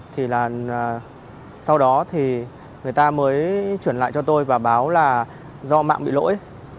thì là sau đó thì người ta mới chuyển lại cho tôi và báo là do mạng bị lỗi